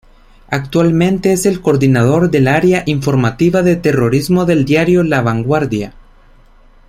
Actualmente es el Coordinador del Área informativa de Terrorismo del diario "La Vanguardia".